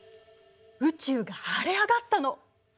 宇宙が晴れ上がったの！